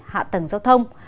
hạ tầng giao thông